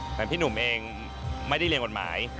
เหมือนพี่หนุ่มเองไม่ได้เรียนกฎหมาย